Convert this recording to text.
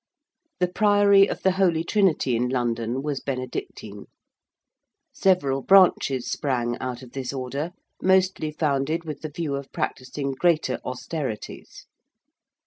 The Priory of the Holy Trinity in London was Benedictine. Several branches sprang out of this Order, mostly founded with the view of practising greater austerities.